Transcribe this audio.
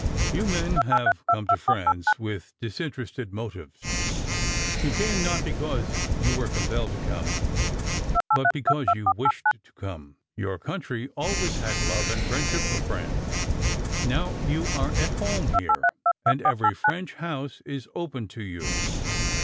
"You men have come to France with disinterested motives. You came not because you were compelled to come, but because you wished to come. Your country always had love and friendship for France. Now you are at home here, and every French house is open to you.